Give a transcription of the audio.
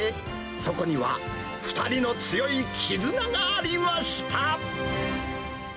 そこには、２人の強いきずながありました。